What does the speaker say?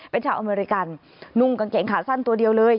เป็นชาวอเมริกันนุ่งกางเกงขาสั้นตัวเดียวเลย